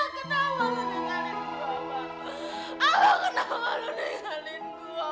ketahuan apa nih